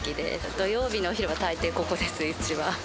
土曜日のお昼は大抵ここです、うちは。